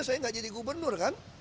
saya nggak jadi gubernur kan